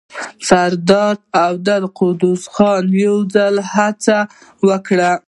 سردار عبدالقدوس خان يو ځل هڅه وکړه.